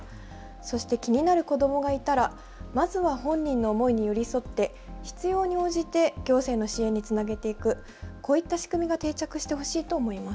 そして気になる子どもがいたらまずは本人の思いに寄り添って必要に応じて行政の支援につなげていく、こういった仕組みが定着してほしいと思います。